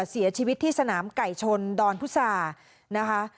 เสียชีวิตที่สนามไก่ชนดอนพุษานะคะ